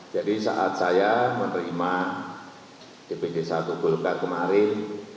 jadi saat saya menerima dpd satu bulgar kemarin